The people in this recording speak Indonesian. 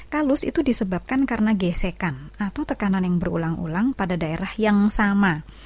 kalus itu disebabkan karena gesekan atau tekanan yang berulang ulang pada daerah yang sama